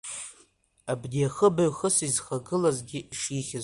Абни ахыбаҩ хыс изхагылазгьы ишихьыз?